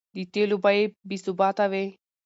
د تېلو بیې بې ثباته وې؛